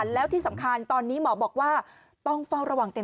แล้วที่สำคัญตอนนี้หมอบอกว่า